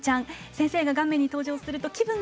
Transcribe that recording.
「先生が画面に登場すると気分が上がります」。